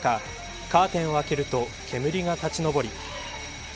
カーテンを開けると煙が立ち上り。